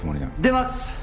出ます！